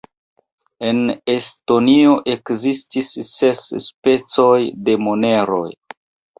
En Estonio ekzistis ses specoj de moneroj.